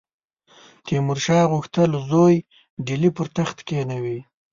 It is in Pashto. تیمورشاه غوښتل زوی ډهلي پر تخت کښېنوي.